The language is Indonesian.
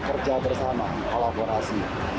kerja bersama kolaborasi